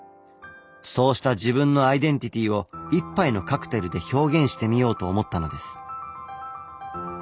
そうした自分のアイデンティティーを一杯のカクテルで表現してみようと思ったのです。